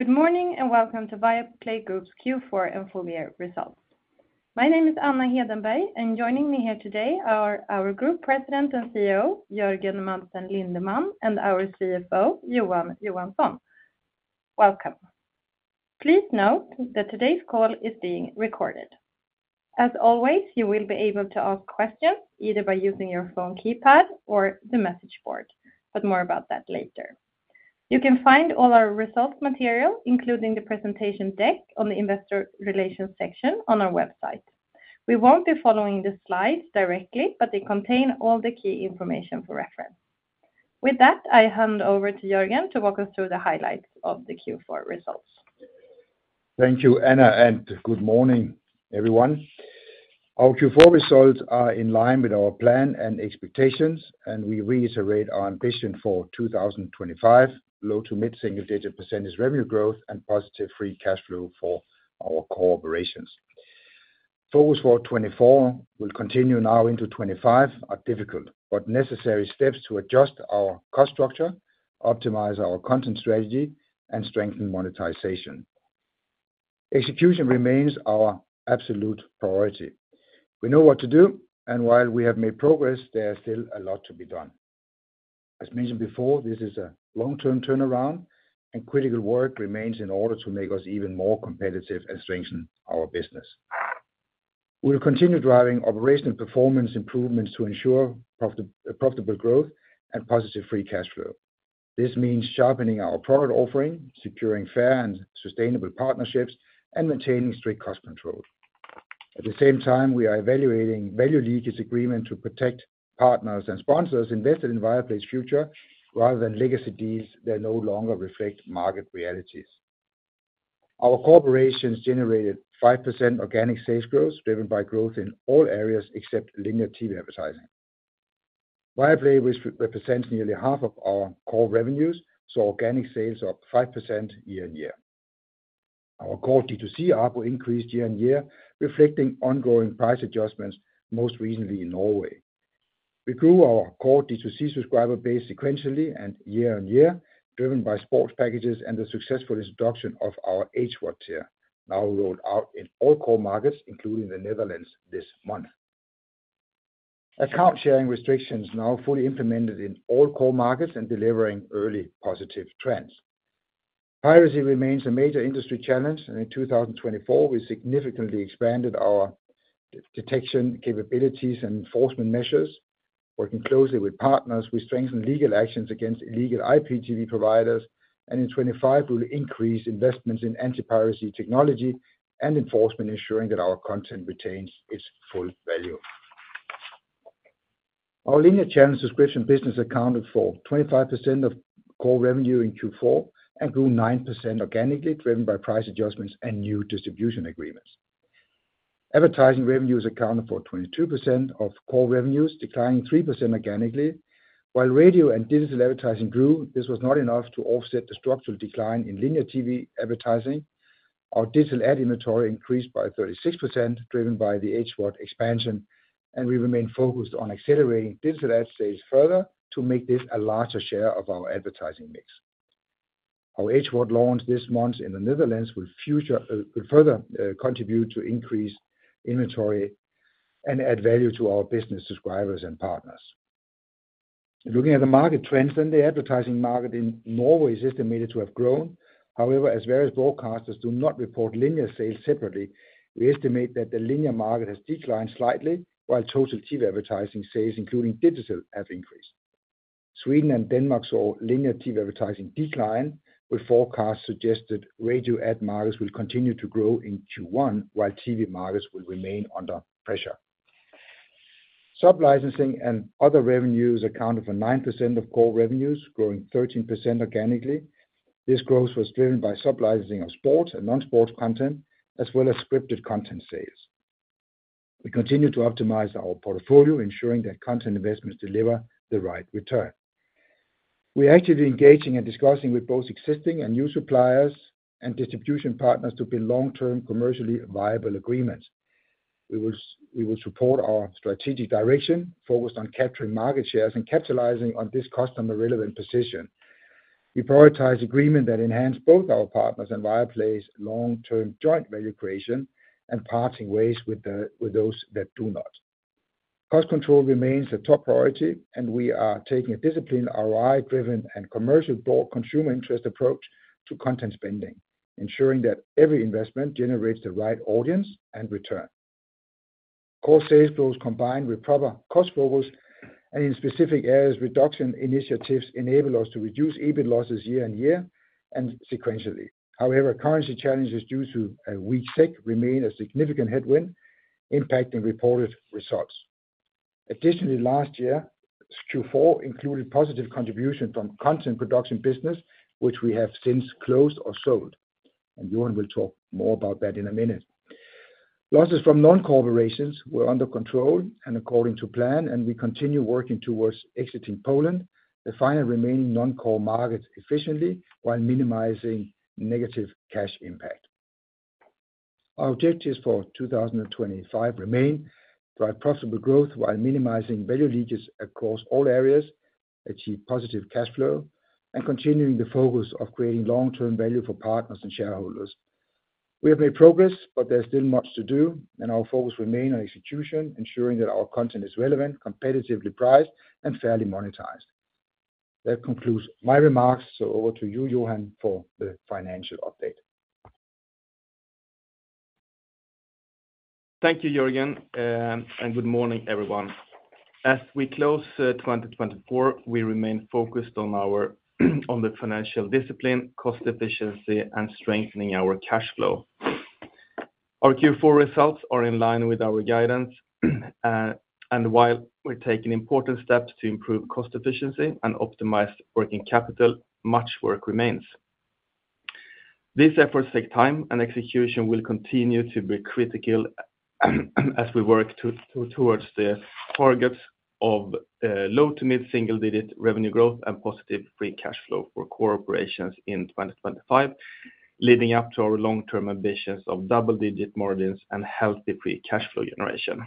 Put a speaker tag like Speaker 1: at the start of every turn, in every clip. Speaker 1: Good morning and welcome to Viaplay Group's Q4 and Full Year Results. My name is Anna Hedenberg, and joining me here today are our Group President and CEO, Jørgen Madsen Lindemann, and our CFO, Johan Johansson. Welcome. Please note that today's call is being recorded. As always, you will be able to ask questions either by using your phone keypad or the message board, but more about that later. You can find all our results material, including the presentation deck on the Investor Relations section on our website. We won't be following the slides directly, but they contain all the key information for reference. With that, I hand over to Jørgen to walk us through the highlights of the Q4 results.
Speaker 2: Thank you, Anna, and good morning, everyone. Our Q4 results are in line with our plan and expectations, and we reiterate our ambition for 2025: low- to mid-single-digit % revenue growth and positive free cash flow for our corporations. Focus for 2024 will continue now into 2025 are difficult but necessary steps to adjust our cost structure, optimize our content strategy, and strengthen monetization. Execution remains our absolute priority. We know what to do, and while we have made progress, there is still a lot to be done. As mentioned before, this is a long-term turnaround, and critical work remains in order to make us even more competitive and strengthen our business. We'll continue driving operational performance improvements to ensure profitable growth and positive free cash flow. This means sharpening our product offering, securing fair and sustainable partnerships, and maintaining strict cost control. At the same time, we are evaluating value leakage agreements to protect partners and sponsors invested in Viaplay's future rather than legacy deals that no longer reflect market realities. Our corporations generated 5% organic sales growth driven by growth in all areas except linear TV advertising. Viaplay represents nearly half of our core revenues, so organic sales are up 5% year-on-year. Our core D2C ARPU increased year-on-year, reflecting ongoing price adjustments, most recently in Norway. We grew our core D2C subscriber base sequentially and year-on-year, driven by sports packages and the successful introduction of our HVOD tier, now rolled out in all core markets, including the Netherlands, this month. Account sharing restrictions are now fully implemented in all core markets and delivering early positive trends. Piracy remains a major industry challenge, and in 2024, we significantly expanded our detection capabilities and enforcement measures. Working closely with partners, we strengthened legal actions against illegal IPTV providers, and in 2025, we will increase investments in anti-piracy technology and enforcement, ensuring that our content retains its full value. Our Linear Channel Subscription business accounted for 25% of core revenue in Q4 and grew 9% organically, driven by price adjustments and new distribution agreements. Advertising revenues accounted for 22% of core revenues, declining 3% organically. While Radio & Digital advertising grew, this was not enough to offset the structural decline in linear TV advertising. Our digital ad inventory increased by 36%, driven by the HVOD expansion, and we remain focused on accelerating digital ad sales further to make this a larger share of our advertising mix. Our HVOD launch this month in the Netherlands will further contribute to increased inventory and add value to our business subscribers and partners. Looking at the market trends, then the advertising market in Norway is estimated to have grown. However, as various broadcasters do not report linear sales separately, we estimate that the linear market has declined slightly, while total TV advertising sales, including digital, have increased. Sweden and Denmark saw linear TV advertising decline, but forecasts suggest that radio ad markets will continue to grow in Q1, while TV markets will remain under pressure. Sub-licensing and other revenues accounted for 9% of core revenues, growing 13% organically. This growth was driven by sub-licensing of sports and non-sports content, as well as scripted content sales. We continue to optimize our portfolio, ensuring that content investments deliver the right return. We are actively engaging and discussing with both existing and new suppliers and distribution partners to build long-term commercially viable agreements. We will support our strategic direction, focused on capturing market shares and capitalizing on this customer-relevant position. We prioritize agreements that enhance both our partners and Viaplay's long-term joint value creation and parting ways with those that do not. Cost control remains a top priority, and we are taking a disciplined, ROI-driven, and commercially broad consumer interest approach to content spending, ensuring that every investment generates the right audience and return. Core sales growth combined with proper cost focus and in specific areas reduction initiatives enable us to reduce EBIT losses year-on-year and sequentially. However, currency challenges due to a weak SEK remain a significant headwind, impacting reported results. Additionally, last year, Q4 included positive contribution from content production business, which we have since closed or sold, and Johan will talk more about that in a minute. Losses from non-core operations were under control and according to plan, and we continue working towards exiting Poland, defining remaining non-core markets efficiently while minimizing negative cash impact. Our objectives for 2025 remain: drive profitable growth while minimizing value leakage across all areas, achieve positive cash flow, and continue the focus of creating long-term value for partners and shareholders. We have made progress, but there's still much to do, and our focus remains on execution, ensuring that our content is relevant, competitively priced, and fairly monetized. That concludes my remarks, so over to you, Johan, for the financial update.
Speaker 3: Thank you, Jørgen, and good morning, everyone. As we close 2024, we remain focused on the financial discipline, cost efficiency, and strengthening our cash flow. Our Q4 results are in line with our guidance, and while we're taking important steps to improve cost efficiency and optimize working capital, much work remains. These efforts take time, and execution will continue to be critical as we work towards the targets of low- to mid-single-digit revenue growth and positive free cash flow for corporations in 2025, leading up to our long-term ambitions of double-digit margins and healthy free cash flow generation.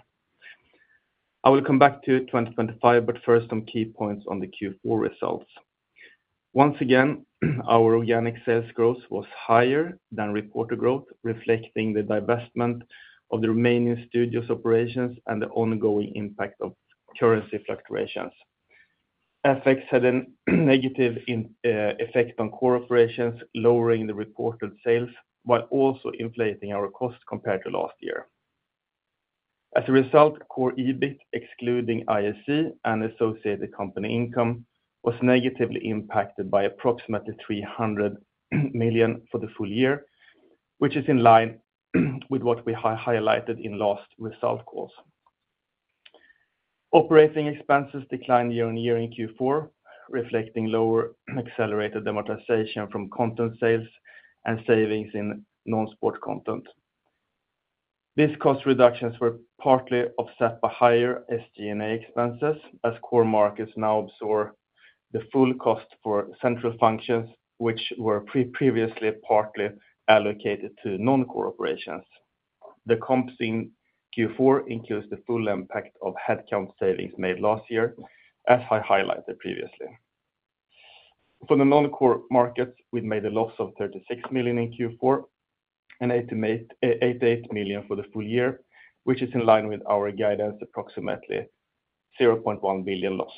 Speaker 3: I will come back to 2025, but first, some key points on the Q4 results. Once again, our organic sales growth was higher than reported growth, reflecting the divestment of the remaining Studios operations and the ongoing impact of currency fluctuations. FX had a negative effect on core operations, lowering the reported sales while also inflating our cost compared to last year. As a result, core EBIT, excluding IAC and associated company income, was negatively impacted by approximately 300 million for the full year, which is in line with what we highlighted in last result calls. Operating expenses declined year-on-year in Q4, reflecting lower accelerated amortization from content sales and savings in non-sport content. These cost reductions were partly offset by higher SG&A expenses, as core markets now absorb the full cost for central functions, which were previously partly allocated to non-core operations. The comps in Q4 include the full impact of headcount savings made last year, as I highlighted previously. For the non-core markets, we made a loss of 36 million in Q4 and 88 million for the full year, which is in line with our guidance, approximately 0.1 billion loss.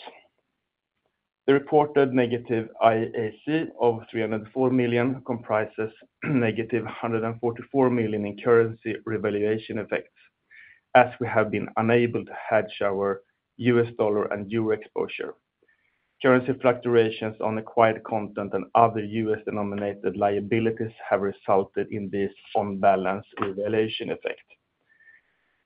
Speaker 3: The reported negative IAC of 304 million comprises negative 144 million in currency revaluation effects, as we have been unable to hedge our US dollar and euro exposure. Currency fluctuations on acquired content and other U.S.-denominated liabilities have resulted in this unbalanced revaluation effect.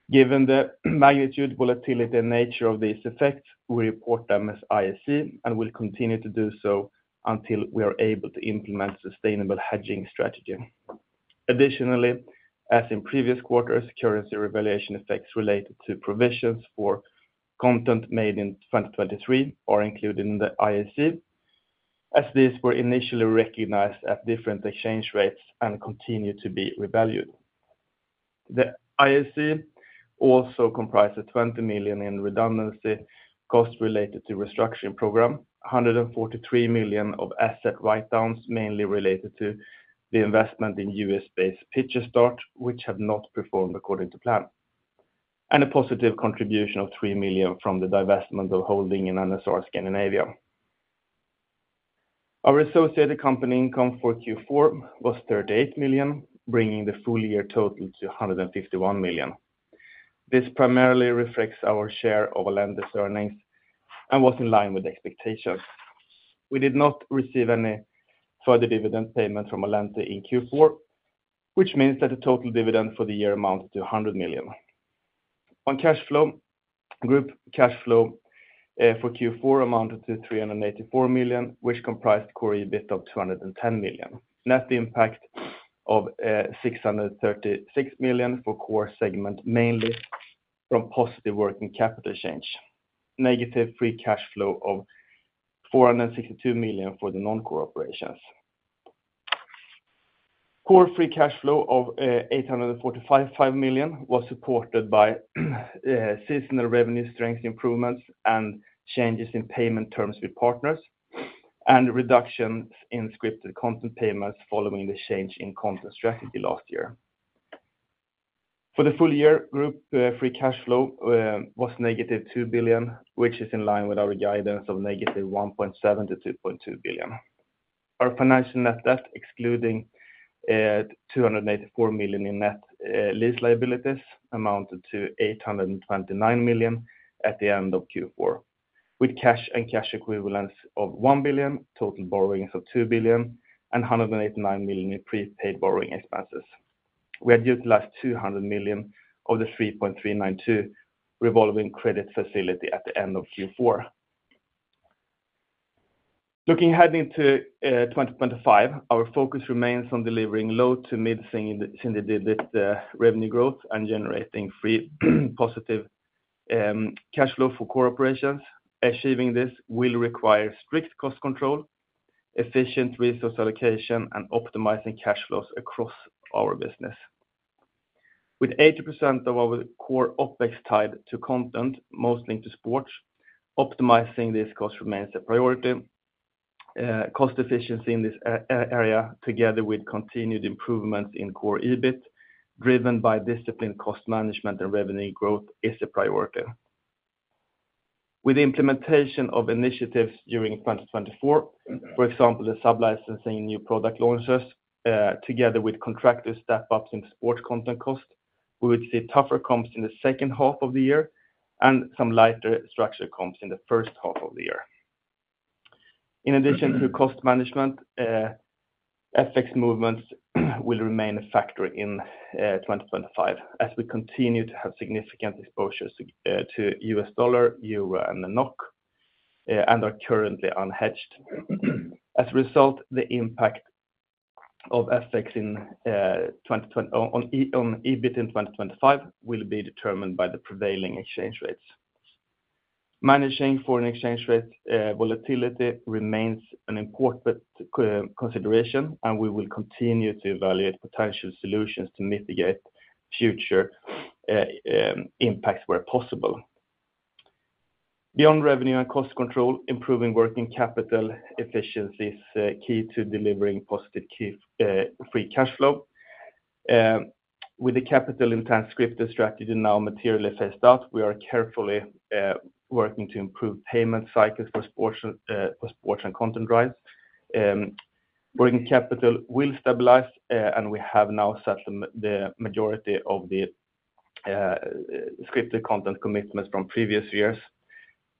Speaker 3: Given the magnitude, volatility, and nature of these effects, we report them as IAC and will continue to do so until we are able to implement a sustainable hedging strategy. Additionally, as in previous quarters, currency revaluation effects related to provisions for content made in 2023 are included in the IAC, as these were initially recognized at different exchange rates and continue to be revalued. The IAC also comprises 20 million in redundancy cost-related to restructuring program, 143 million of asset write-downs mainly related to the investment in U.S.-based Picturestart, which have not performed according to plan, and a positive contribution of 3 million from the divestment of holding in NSR Scandinavia. Our associated company income for Q4 was 38 million, bringing the full year total to 151 million. This primarily reflects our share of Allente's earnings and was in line with expectations. We did not receive any further dividend payment from Allente in Q4, which means that the total dividend for the year amounted to 100 million. On cash flow, group cash flow for Q4 amounted to 384 million, which comprised core EBIT of 210 million. Net impact of 636 million for core segment mainly from positive working capital change, negative free cash flow of 462 million for the non-core operations. Core free cash flow of 845 million was supported by seasonal revenue strength improvements and changes in payment terms with partners and reductions in scripted content payments following the change in content strategy last year. For the full year, group free cash flow was negative 2 billion, which is in line with our guidance of negative 1.7 billion-2.2 billion. Our financial net debt, excluding 284 million in net lease liabilities, amounted to 829 million at the end of Q4, with cash and cash equivalents of 1 billion, total borrowings of 2 billion, and 189 million in prepaid borrowing expenses. We had utilized 200 million of the 3.392 billion revolving credit facility at the end of Q4. Looking ahead into 2025, our focus remains on delivering low- to mid-single-digit revenue growth and generating free positive cash flow for core operations. Achieving this will require strict cost control, efficient resource allocation, and optimizing cash flows across our business. With 80% of our core Opex tied to content, mostly into sports, optimizing these costs remains a priority. Cost efficiency in this area, together with continued improvements in core EBIT, driven by disciplined cost management and revenue growth, is a priority. With the implementation of initiatives during 2024, for example, the sub-licensing and new product launches, together with contractor step-ups in sports content costs, we would see tougher comps in the second half of the year and some lighter structure comps in the first half of the year. In addition to cost management, FX movements will remain a factor in 2025, as we continue to have significant exposure to US dollar, euro, and the NOK, and are currently unhedged. As a result, the impact of FX on EBIT in 2025 will be determined by the prevailing exchange rates. Managing foreign exchange rate volatility remains an important consideration, and we will continue to evaluate potential solutions to mitigate future impacts where possible. Beyond revenue and cost control, improving working capital efficiency is key to delivering positive free cash flow. With the capital-intensive scripted strategy now materially phased out, we are carefully working to improve payment cycles for sports and content rights. Working capital will stabilize, and we have now settled the majority of the scripted content commitments from previous years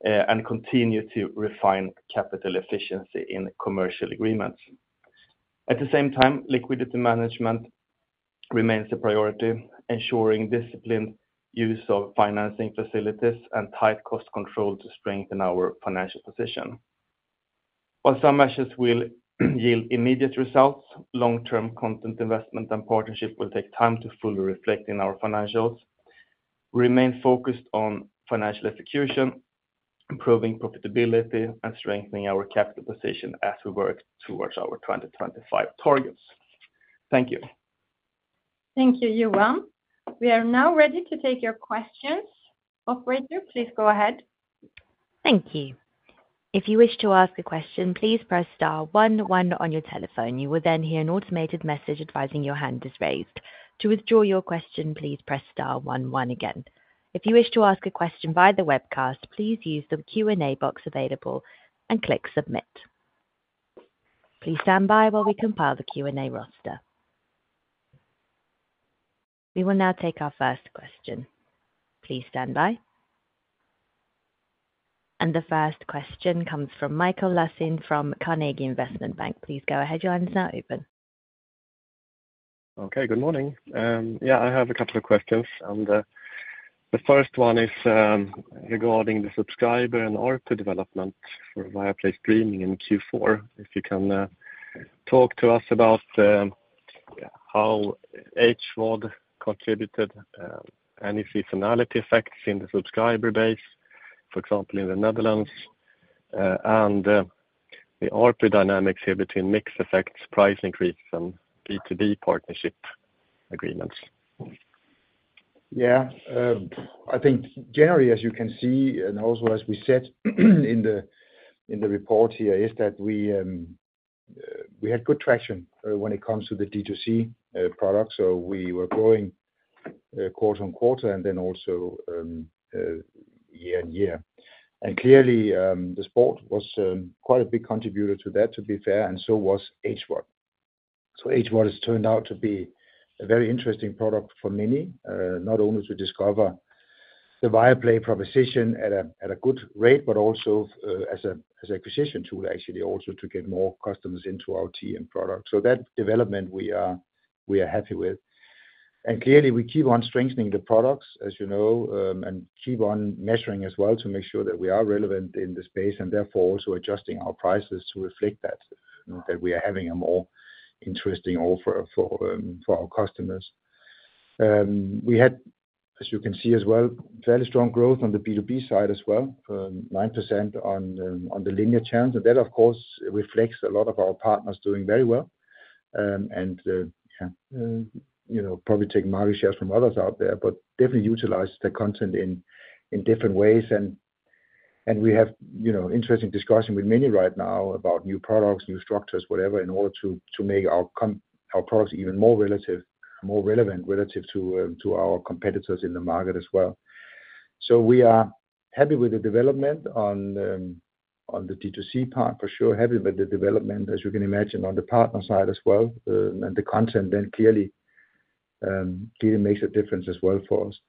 Speaker 3: and continue to refine capital efficiency in commercial agreements. At the same time, liquidity management remains a priority, ensuring disciplined use of financing facilities and tight cost control to strengthen our financial position. While some measures will yield immediate results, long-term content investment and partnership will take time to fully reflect in our financials. We remain focused on financial execution, improving profitability, and strengthening our capital position as we work towards our 2025 targets. Thank you.
Speaker 1: Thank you, Johan. We are now ready to take your questions. Operator, please go ahead.
Speaker 4: Thank you. If you wish to ask a question, please press star one one on your telephone. You will then hear an automated message advising your hand is raised. To withdraw your question, please press star one one again. If you wish to ask a question via the webcast, please use the Q&A box available and click submit. Please stand by while we compile the Q&A roster. We will now take our first question. Please stand by. The first question comes from Mikael Laséen from Carnegie Investment Bank. Please go ahead, your line is now open.
Speaker 5: Okay, good morning. Yeah, I have a couple of questions. The first one is regarding the subscriber and ARPU development for Viaplay streaming in Q4. If you can talk to us about how HVOD contributed and any seasonality effects in the subscriber base, for example, in the Netherlands, and the ARPU dynamics here between mixed effects, price increases, and B2B partnership agreements.
Speaker 2: Yeah, I think generally, as you can see, and also as we said in the report here, is that we had good traction when it comes to the D2C product, so we were growing quarter-on-quarter and then also year-on-year, and clearly, the sport was quite a big contributor to that, to be fair, and so was HVOD. So HVOD has turned out to be a very interesting product for many, not only to discover the Viaplay proposition at a good rate, but also as an acquisition tool, actually, also to get more customers into our TM product, so that development, we are happy with. Clearly, we keep on strengthening the products, as you know, and keep on measuring as well to make sure that we are relevant in the space and therefore also adjusting our prices to reflect that, that we are having a more interesting offer for our customers. We had, as you can see as well, fairly strong growth on the B2B side as well, 9% on the linear channel. That, of course, reflects a lot of our partners doing very well and probably taking market shares from others out there, but definitely utilize the content in different ways. We have interesting discussions with many right now about new products, new structures, whatever, in order to make our products even more relevant relative to our competitors in the market as well. We are happy with the development on the D2C part, for sure, happy with the development, as you can imagine, on the partner side as well. The content then clearly makes a difference as well for us.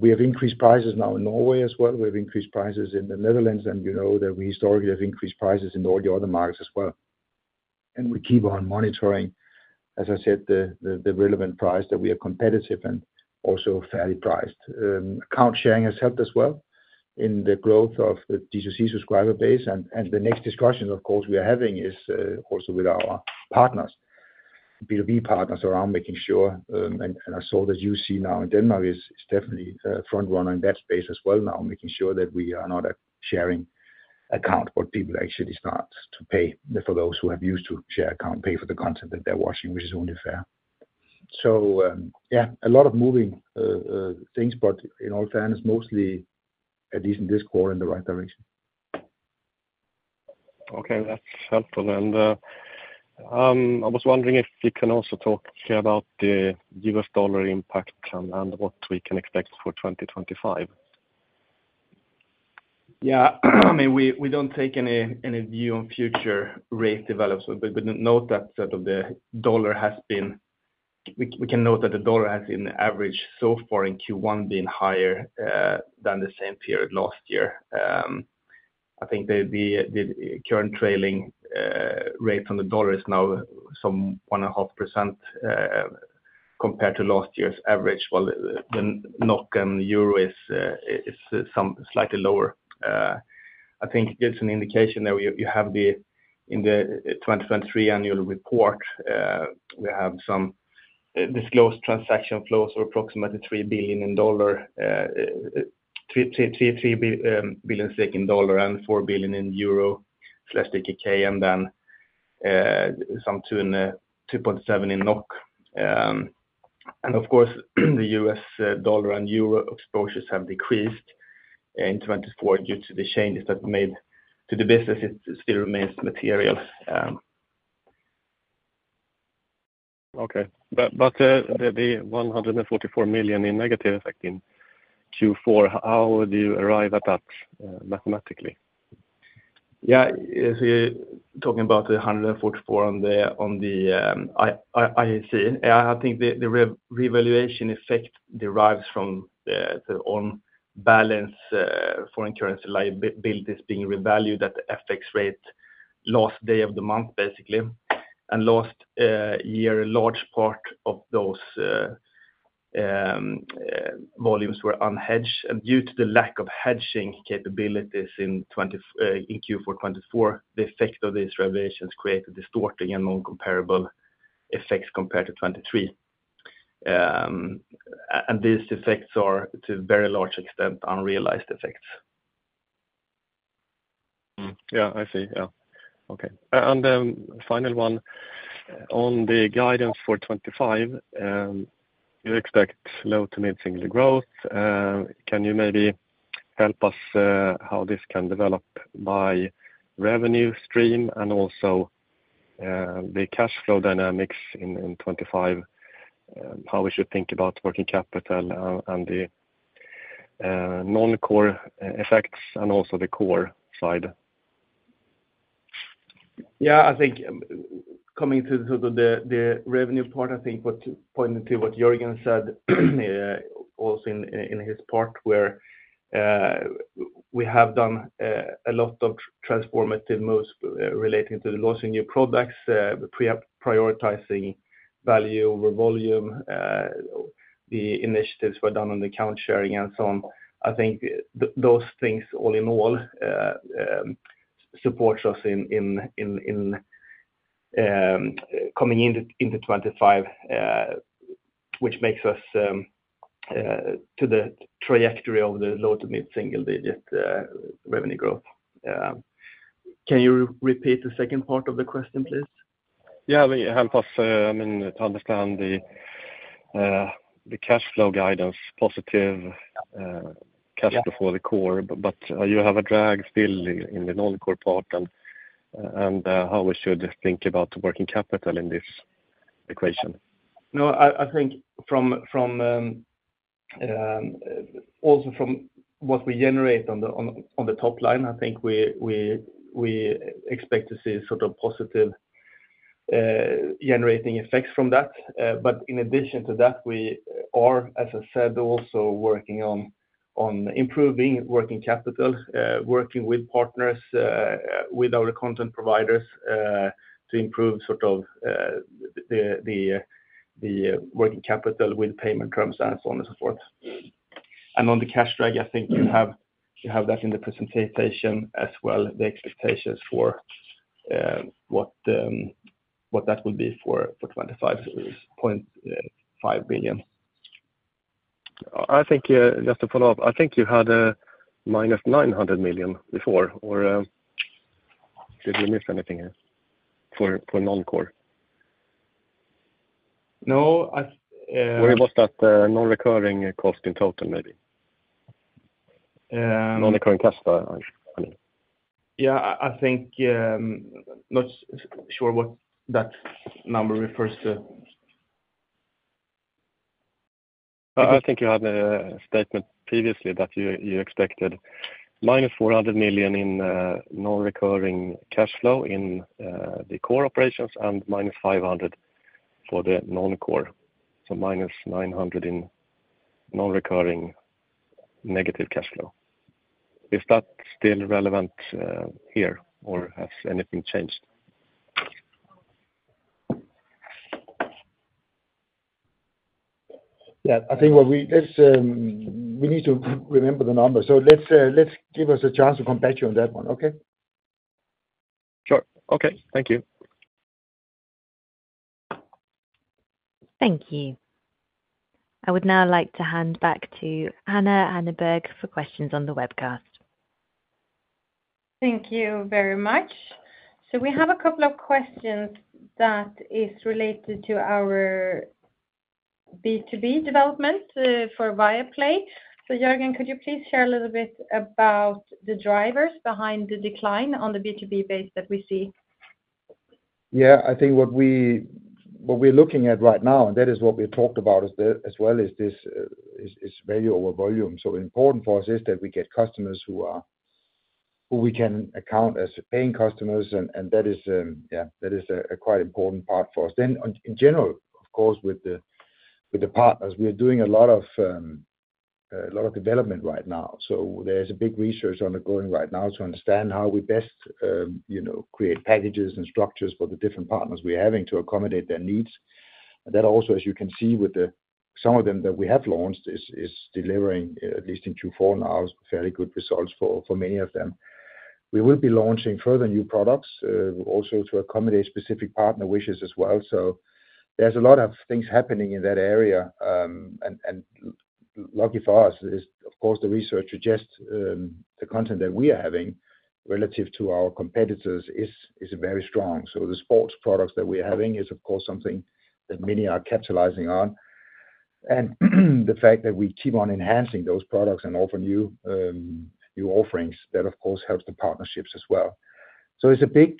Speaker 2: We have increased prices now in Norway as well. We have increased prices in the Netherlands. You know that we historically have increased prices in all the other markets as well. We keep on monitoring, as I said, the relevant price that we are competitive and also fairly priced. Account sharing has helped as well in the growth of the D2C subscriber base. The next discussion, of course, we are having is also with our partners, B2B partners, around making sure. And I saw that, you see, now in Denmark is definitely a front-runner in that space as well now, making sure that we are not sharing accounts for people actually start to pay for those who have used to share account, pay for the content that they're watching, which is only fair. So yeah, a lot of moving things, but in all fairness, mostly at least in this quarter in the right direction.
Speaker 5: Okay, that's helpful. And I was wondering if we can also talk about the US dollar impact and what we can expect for 2025.
Speaker 3: Yeah, I mean, we don't take any view on future rate development, but we can note that the dollar has been averaged so far in Q1 being higher than the same period last year. I think the current trailing rate on the dollar is now some 1.5% compared to last year's average. The NOK and EUR is slightly lower. I think it's an indication that you have the in the 2023 annual report, we have some disclosed transaction flows of approximately 3 billion in dollar and 4 billion in EUR/DKK, and then some 2.7 billion in NOK. Of course, the US dollar and EUR exposures have decreased in 2024 due to the changes that we made to the business. It still remains material.
Speaker 5: Okay, but the 144 million in negative effect in Q4, how do you arrive at that mathematically?
Speaker 3: Yeah, so you're talking about the 144 on the IAC. I think the revaluation effect derives from the on-balance foreign currency liabilities being revalued at the FX rate last day of the month, basically. And last year, a large part of those volumes were unhedged. And due to the lack of hedging capabilities in Q4 2024, the effect of these revaluations created distorting and non-comparable effects compared to 2023. And these effects are to a very large extent unrealized effects.
Speaker 5: Yeah, I see. Yeah. Okay. And the final one on the guidance for 2025, you expect low- to mid-single-digit growth. Can you maybe help us how this can develop by revenue stream and also the cash flow dynamics in 2025, how we should think about working capital and the non-core effects and also the core side?
Speaker 3: Yeah, I think coming to the revenue part, I think pointing to what Jørgen said also in his part, where we have done a lot of transformative moves relating to the launching new products, prioritizing value over volume. The initiatives were done on the account sharing and so on. I think those things all in all support us in coming into 25, which makes us to the trajectory of the low- to mid-single-digit revenue growth. Can you repeat the second part of the question, please?
Speaker 5: Yeah, help us to understand the cash flow guidance, positive cash flow for the core, but you have a drag still in the non-core part and how we should think about working capital in this equation?
Speaker 3: No, I think also from what we generate on the top line, I think we expect to see sort of positive generating effects from that. But in addition to that, we are, as I said, also working on improving working capital, working with partners, with our content providers to improve sort of the working capital with payment terms and so on and so forth. And on the cash drag, I think you have that in the presentation as well, the expectations for what that will be for 2025 is 0.5 billion.
Speaker 5: I think just to follow up, I think you had a minus 900 million before. Did we miss anything here for non-core?
Speaker 3: No.
Speaker 5: Was that non-recurring cost in total, maybe? Non-recurring cash, I mean.
Speaker 3: Yeah, I think. Not sure what that number refers to.
Speaker 5: I think you had a statement previously that you expected minus 400 million in non-recurring cash flow in the core operations and minus 500 million for the non-core. So minus 900 million in non-recurring negative cash flow. Is that still relevant here or has anything changed?
Speaker 2: Yeah, I think we need to remember the number. So let's give us a chance to come back to you on that one, okay?
Speaker 5: Sure. Okay. Thank you.
Speaker 4: Thank you. I would now like to hand back to Anna Hedenberg for questions on the webcast.
Speaker 1: Thank you very much. So we have a couple of questions that are related to our B2B development for Viaplay. So Jørgen, could you please share a little bit about the drivers behind the decline on the B2B base that we see?
Speaker 2: Yeah, I think what we're looking at right now, and that is what we talked about as well, is this value over volume. So important for us is that we get customers who we can account as paying customers. And that is a quite important part for us. Then in general, of course, with the partners, we are doing a lot of development right now. So there's a big research undergoing right now to understand how we best create packages and structures for the different partners we're having to accommodate their needs. And that also, as you can see with some of them that we have launched, is delivering at least in Q4 now fairly good results for many of them. We will be launching further new products also to accommodate specific partner wishes as well. So there's a lot of things happening in that area. And lucky for us, of course, the research suggests the content that we are having relative to our competitors is very strong. So the sports products that we are having is, of course, something that many are capitalizing on and the fact that we keep on enhancing those products and offer new offerings, that of course helps the partnerships as well. So it's a big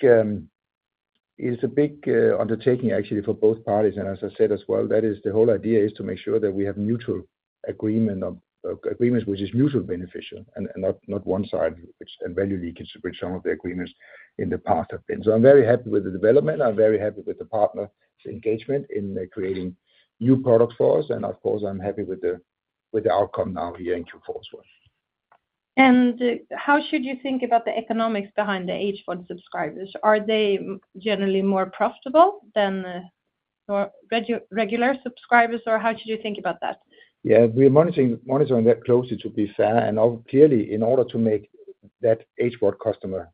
Speaker 2: undertaking actually for both parties and as I said as well, that is the whole idea is to make sure that we have mutual agreements, which is mutually beneficial and not one side and value leakage, which some of the agreements in the past have been. So I'm very happy with the development. I'm very happy with the partner's engagement in creating new products for us and of course, I'm happy with the outcome now here in Q4 as well. How should you think about the economics behind the HVOD subscribers? Are they generally more profitable than regular subscribers? Or how should you think about that? Yeah, we're monitoring that closely, to be fair, and clearly, in order to make that HVOD customer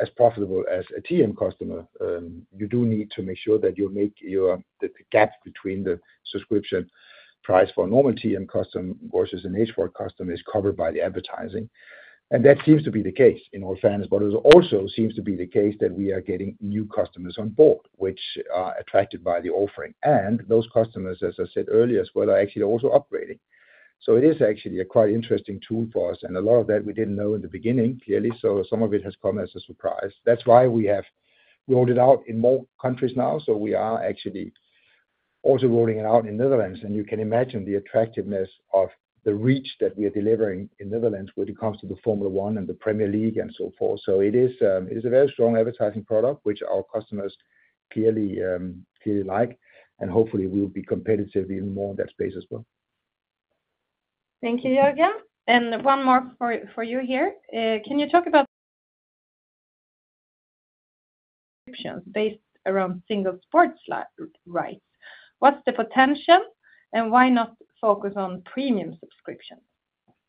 Speaker 2: as profitable as a TM customer, you do need to make sure that you make the gap between the subscription price for a normal TM customer versus an HVOD customer is covered by the advertising, and that seems to be the case in all fairness, but it also seems to be the case that we are getting new customers on board, which are attracted by the offering, and those customers, as I said earlier as well, are actually also upgrading, so it is actually a quite interesting tool for us, and a lot of that we didn't know in the beginning, clearly, so some of it has come as a surprise, that's why we have rolled it out in more countries now, so we are actually also rolling it out in the Netherlands. You can imagine the attractiveness of the reach that we are delivering in the Netherlands when it comes to the Formula 1 and the Premier League and so forth. It is a very strong advertising product, which our customers clearly like. Hopefully, we will be competitive even more in that space as well.
Speaker 1: Thank you, Jørgen, and one more for you here. Can you talk about subscriptions based around single sports rights? What's the potential, and why not focus on premium subscriptions?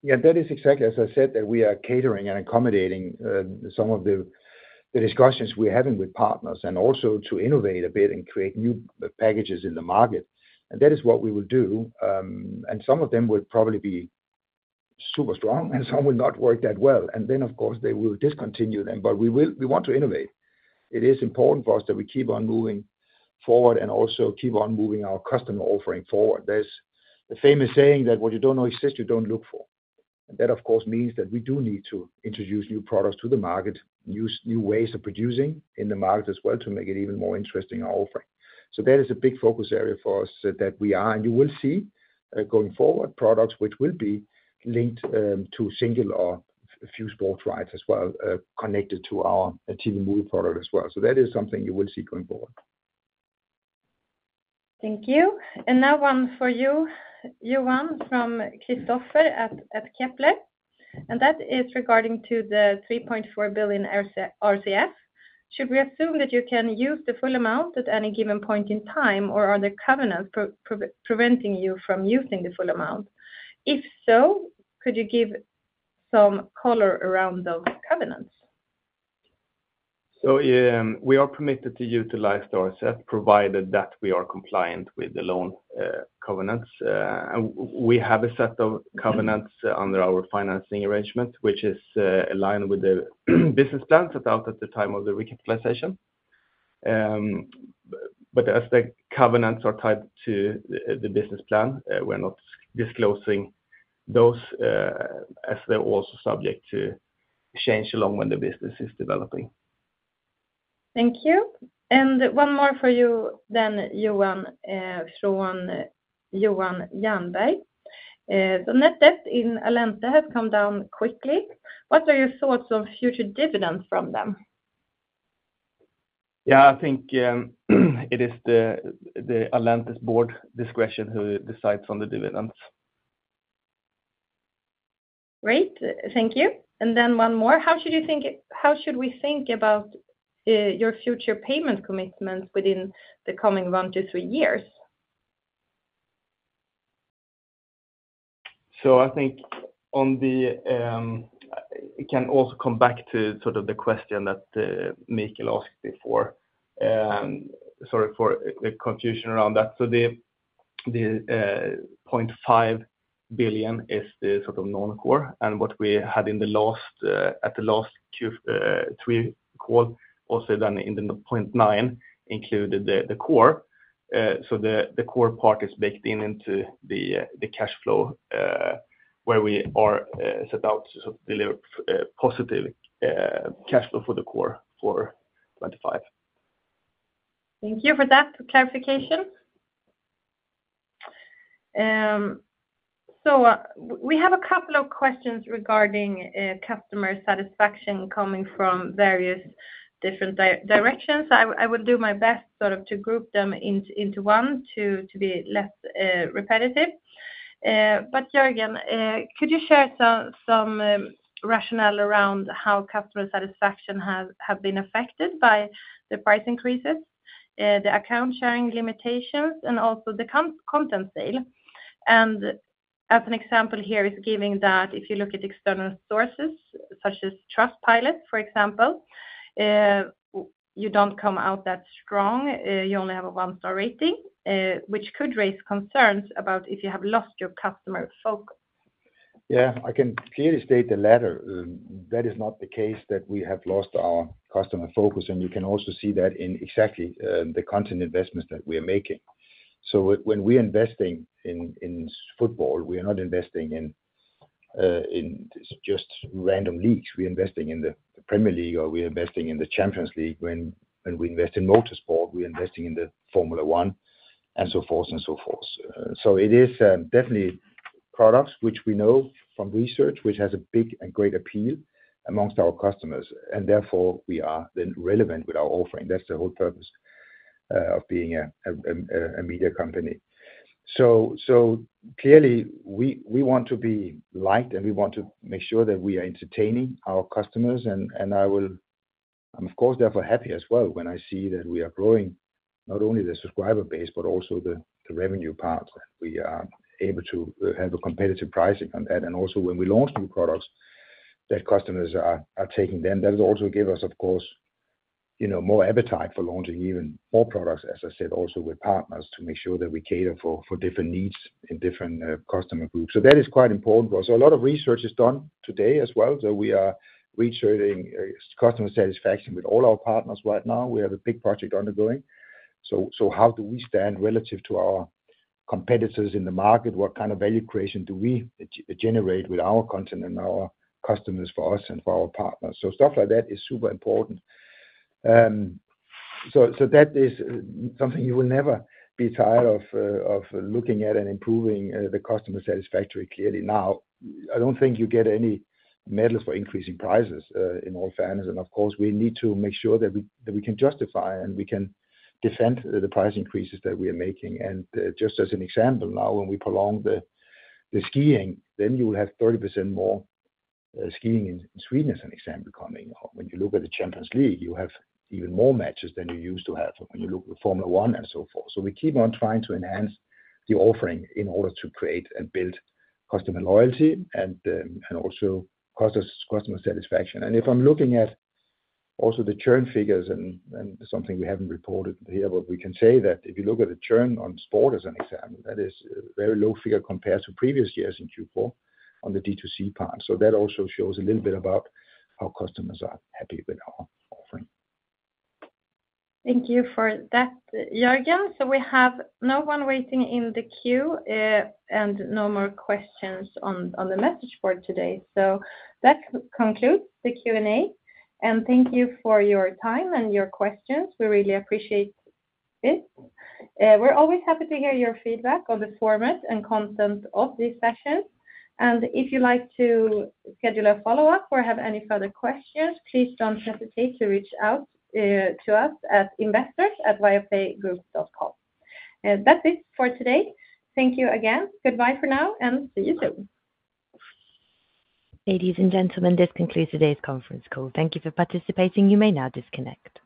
Speaker 2: Yeah, that is exactly as I said, that we are catering and accommodating some of the discussions we're having with partners and also to innovate a bit and create new packages in the market. And that is what we will do. And some of them will probably be super strong and some will not work that well. And then, of course, they will discontinue them. But we want to innovate. It is important for us that we keep on moving forward and also keep on moving our customer offering forward. There's the famous saying that what you don't know exists, you don't look for. And that, of course, means that we do need to introduce new products to the market, new ways of producing in the market as well to make it even more interesting our offering. So that is a big focus area for us that we are. And you will see going forward products which will be linked to single or few sports rights as well, connected to our TV movie product as well. So that is something you will see going forward.
Speaker 1: Thank you. And now one for you, Johan, from Kristoffer at Kepler Cheuvreux. And that is regarding the 3.4 billion RCF. Should we assume that you can use the full amount at any given point in time, or are there covenants preventing you from using the full amount? If so, could you give some color around those covenants?
Speaker 3: We are permitted to utilize the RCF provided that we are compliant with the loan covenants. We have a set of covenants under our financing arrangement, which is aligned with the business plan set out at the time of the recapitalization. As the covenants are tied to the business plan, we're not disclosing those as they're also subject to change along when the business is developing.
Speaker 1: Thank you. And one more for you then, Johan, from Johan Jernberg. The net debt in Allente has come down quickly. What are your thoughts on future dividends from them?
Speaker 3: Yeah, I think it is the Allente's board discretion who decides on the dividends.
Speaker 1: Great. Thank you. And then one more. How should we think about your future payment commitments within the coming one to three years?
Speaker 3: So, I think on the it can also come back to sort of the question that Mikael asked before. Sorry for the confusion around that. So, the 0.5 billion is the sort of non-core. And what we had at the last three calls, also then in the 0.9 billion included the core. So, the core part is baked into the cash flow where we are set out to deliver positive cash flow for the core for 2025.
Speaker 1: Thank you for that clarification. So we have a couple of questions regarding customer satisfaction coming from various different directions. I will do my best sort of to group them into one to be less repetitive. But Jørgen, could you share some rationale around how customer satisfaction has been affected by the price increases, the account sharing limitations, and also the content sale? And as an example here, it's giving that if you look at external sources such as Trustpilot, for example, you don't come out that strong. You only have a one-star rating, which could raise concerns about if you have lost your customer focus.
Speaker 2: Yeah, I can clearly state the latter. That is not the case that we have lost our customer focus. And you can also see that in exactly the content investments that we are making. So when we are investing in football, we are not investing in just random leagues. We are investing in the Premier League or we are investing in the Champions League. When we invest in motorsport, we are investing in the Formula 1 and so forth and so forth. So it is definitely products which we know from research, which has a big and great appeal amongst our customers. And therefore, we are then relevant with our offering. That's the whole purpose of being a media company. So clearly, we want to be liked and we want to make sure that we are entertaining our customers. I will, of course, therefore be happy as well when I see that we are growing not only the subscriber base, but also the revenue part. We are able to have a competitive pricing on that. Also when we launch new products that customers are taking then, that also gives us, of course, more appetite for launching even more products, as I said, also with partners to make sure that we cater for different needs in different customer groups. That is quite important for us. A lot of research is done today as well. We are researching customer satisfaction with all our partners right now. We have a big project underway. How do we stand relative to our competitors in the market? What kind of value creation do we generate with our content and our customers for us and for our partners? So stuff like that is super important. So that is something you will never be tired of looking at and improving the customer satisfaction clearly. Now, I don't think you get any medals for increasing prices in all fairness. And of course, we need to make sure that we can justify and we can defend the price increases that we are making. And just as an example, now when we prolong the skiing, then you will have 30% more skiing in Sweden as an example coming. When you look at the Champions League, you have even more matches than you used to have when you look at Formula 1 and so forth. So we keep on trying to enhance the offering in order to create and build customer loyalty and also customer satisfaction. If I'm looking at also the churn figures and something we haven't reported here, but we can say that if you look at the churn on sport as an example, that is a very low figure compared to previous years in Q4 on the D2C part, so that also shows a little bit about how customers are happy with our offering.
Speaker 1: Thank you for that, Jørgen. So we have no one waiting in the queue and no more questions on the message board today. So that concludes the Q&A. And thank you for your time and your questions. We really appreciate it. We're always happy to hear your feedback on the format and content of these sessions. And if you'd like to schedule a follow-up or have any further questions, please don't hesitate to reach out to us at investors@viaplaygroup.com. That's it for today. Thank you again. Goodbye for now and see you soon.
Speaker 4: Ladies and gentlemen, this concludes today's conference call. Thank you for participating. You may now disconnect.